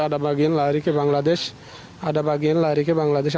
ada bagian lari ke bangladesh ada bagian lari ke bangladesh